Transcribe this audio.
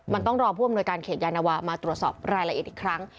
มันต้องรอผู้อำนวยการเขตยานวามาตรวจสอบรายละเอียดอีกครั้ง